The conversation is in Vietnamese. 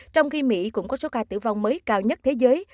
trong khi mỹ cũng có số ca tử vong mới cao nhất thế giới